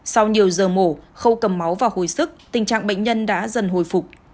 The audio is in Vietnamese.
sau nhiều giờ mổ khâu cầm máu và hồi sức tình trạng bệnh nhân đã dần hồi phục